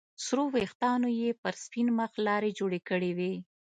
سرو ويښتانو يې پر سپين مخ لارې جوړې کړې وې.